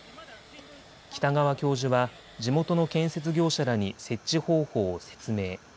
北川教授は地元の建設業者らに設置方法を説明。